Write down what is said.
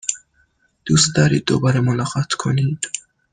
دوست دارید دوباره ملاقات کنید؟